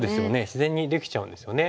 自然にできちゃうんですよね。